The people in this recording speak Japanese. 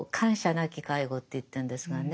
なき介護って言ってるんですがね。